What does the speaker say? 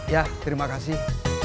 ya terima kasih